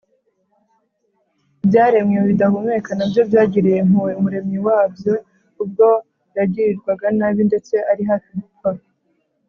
ibyaremwe bidahumeka na byo byagiriye impuhwe umuremyi wabyo ubwo yagirirwaga nabi ndetse ari hafi gupfa